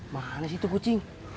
mana sih itu kucing